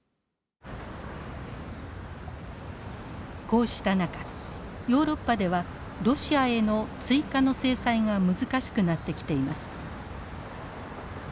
こうした中ヨーロッパではロシアへの追加の制裁が難しくなってきています。